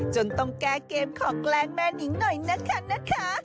จนต้องแก้เกมขอแกล้งแม่นิ้งหน่อยนะคะ